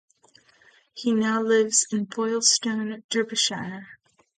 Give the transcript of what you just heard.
He now lives in Boylestone, Derbyshire.